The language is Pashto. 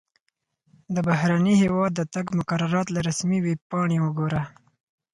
د بهرني هیواد د تګ مقررات له رسمي ویبپاڼې وګوره.